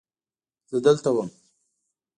زه دلته وم.